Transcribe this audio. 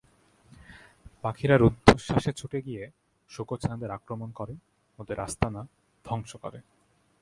পাখিরা রুদ্ধশ্বাসে ছুটে গিয়ে শূকরছানাদের আক্রমণ করে, ওদের আস্তানা ধ্বংস করে।